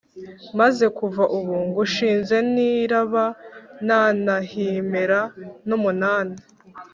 maze kuva ubu ngushinze niraba na nahimpera n'umunani